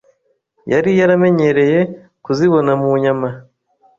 yari yaramenyereye kuzibona mu nyama